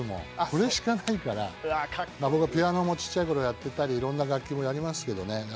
これしかないから、僕ピアノもちっちゃい頃やってたり、いろんな楽器もやりますけどね。